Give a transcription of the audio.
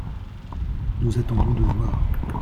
Nous attendons de voir